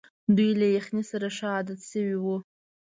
دوی له یخنۍ سره ښه عادت شوي وو.